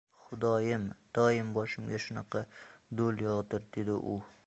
“Xudoyim, doim boshimga shunaqa do‘l yog‘dir”, dedi u.